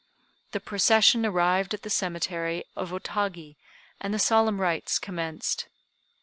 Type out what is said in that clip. The procession arrived at the cemetery of Otagi, and the solemn rites commenced.